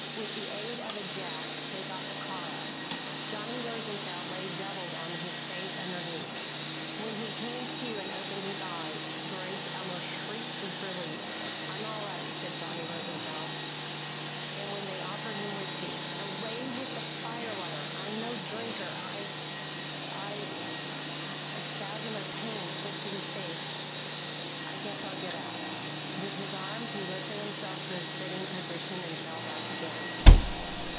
With the aid of a jack, they got the car up. Johnny Rosenfeld lay doubled on his face underneath. When he came to and opened his eyes, Grace almost shrieked with relief. "I'm all right," said Johnny Rosenfeld. And, when they offered him whiskey: "Away with the fire water. I am no drinker. I I " A spasm of pain twisted his face. "I guess I'll get up." With his arms he lifted himself to a sitting position, and fell back again.